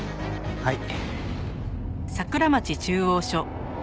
はい。